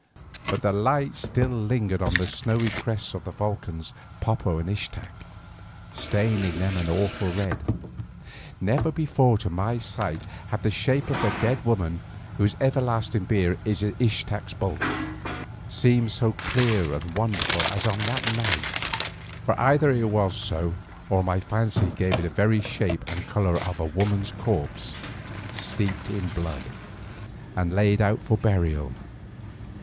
But the light still lingered on the snowy crests of the volcans Popo and Ixtac, staining them an awful red. Never before to my sight had the shape of the dead woman whose everlasting bier is Ixtac's bulk, seemed so clear and wonderful as on that night, for either it was so or my fancy gave it the very shape and colour of a woman's corpse steeped in blood and laid out for burial.